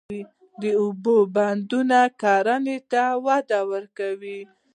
د اوبو بندونه کرنې ته وده ورکوي.